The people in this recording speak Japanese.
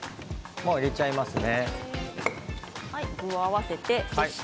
もう入れちゃいますね。